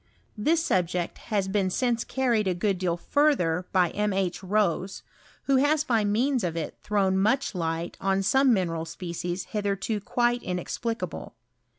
This subject has been since carried a^good deal further by M. H. Rose, who has by means of it thrown much light on some mineral species hitherto quite inexplicable.